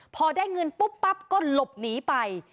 พอได้เงินปุ๊บปั๊บก็หลบหนีไป